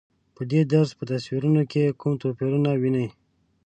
په دې درس په تصویرونو کې کوم توپیرونه وینئ؟